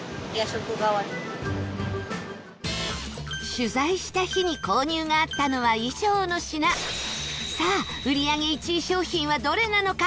取材した日に購入があったのは以上の品さあ、売り上げ１位商品はどれなのか？